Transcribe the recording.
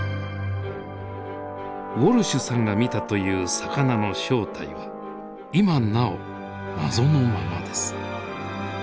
ウォルシュさんが見たという魚の正体は今なお謎のままです。